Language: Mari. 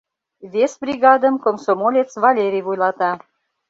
Вес бригадым комсомолец Валерий вуйлата.